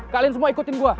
kalian semua ikutin gue